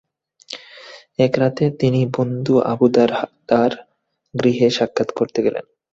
এক রাতে তিনি বন্ধু আবু দারদার গৃহে সাক্ষাৎ করতে গেলেন।